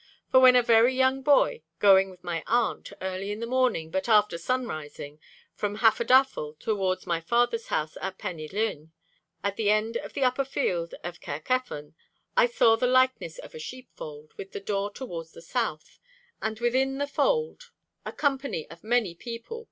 For when a very young boy, going with my aunt, early in the morning, but after sun rising, from Hafodafel towards my father's house at Pen y Llwyn, at the end of the upper field of Cae'r Cefn, ... I saw the likeness of a sheepfold, with the door towards the south, ... and within the fold a company of many people.